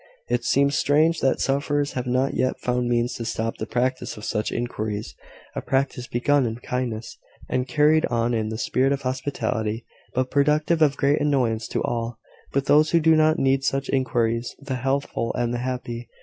It seems strange that sufferers have not yet found means to stop the practice of such inquiries a practice begun in kindness, and carried on in the spirit of hospitality, but productive of great annoyance to all but those who do not need such inquiries the healthful and the happy.